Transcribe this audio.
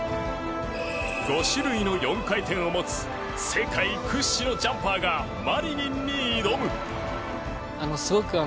５種類の４回転を持つ世界屈指のジャンパーがマリニンに挑む！